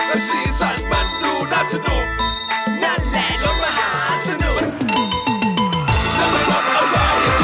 และสีสันมันดูน่าสนุกนั่นแหละรถมหาสนุกเอาไว้